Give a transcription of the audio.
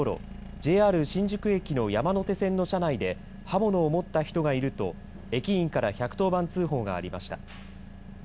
ＪＲ新宿駅の山手線の車内で刃物を持った人がいると駅員から１１０番通報がありました。